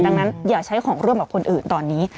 ดังนั้นอย่าใช้ของร่วมกับคนอื่นตอนนี้